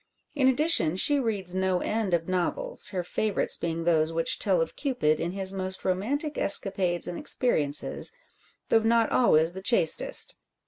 In addition she reads no end of novels, her favourites being those which tell of Cupid in his most romantic escapades and experiences, though not always the chastest.